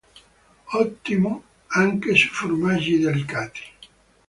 Ottimo anche su formaggi delicati.